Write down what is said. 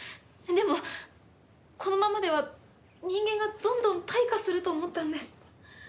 でもこのままでは人間がどんどん退化すると思ったんです。